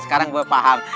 sekarang gue paham